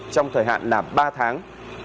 trong thời hạn là ba tháng